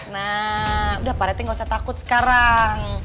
nah udah pak rete gak usah takut sekarang